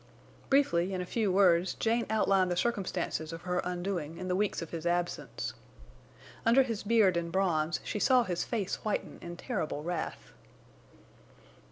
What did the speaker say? Briefly, in few words, Jane outlined the circumstances of her undoing in the weeks of his absence. Under his beard and bronze she saw his face whiten in terrible wrath.